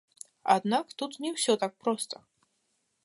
Аднак, тут не ўсё так проста.